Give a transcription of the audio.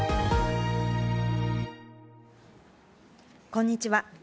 こんにちは。